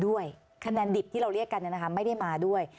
ด้วยคะแนนดิบที่เราเรียกกันเนี่ยนะคะไม่ได้มาด้วย